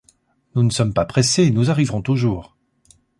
Nous ne sommes pas pressés, nous arriverons toujours...